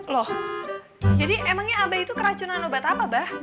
loh jadi emangnya abah itu keracunan obat apa bah